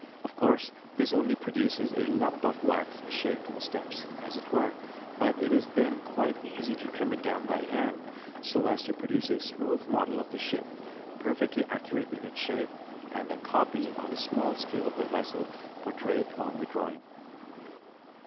Of course this only produces a lump of wax shaped in steps, as it were, but it is then quite easy to trim it down by hand, so as to produce a smooth model of the ship, perfectly accurate in its shape, and a copy on a small scale of the vessel portrayed on the drawing.